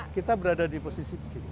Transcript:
kita berada di posisi di sini